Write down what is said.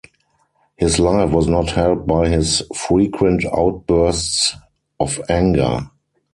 His life was not helped by his frequent outbursts of anger.